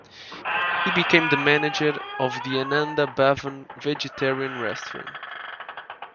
He became the manager of the Ananda Bhavan Vegetarian Restaurant.